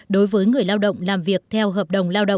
đối với người lao động làm việc theo hợp